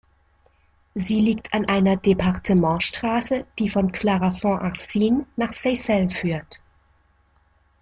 Sie liegt an einer Departementsstraße, die von Clarafond-Arcine nach Seyssel führt.